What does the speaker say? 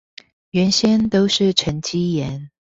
原先都是沈積岩